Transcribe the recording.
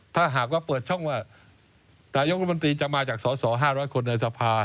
ถ้าหากว่าเปิดช่องว่านายกรมนตรีจะมาจากสส๕๐๐คนในสภา